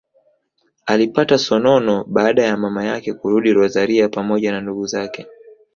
Alipata sonona baada ya mama yake kurudi Rosario pamoja na ndugu zake